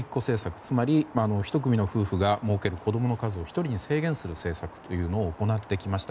つまり１組も夫婦が設ける子供の数を１人に制限する政策というのを行ってきました。